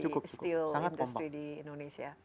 di steel industry di indonesia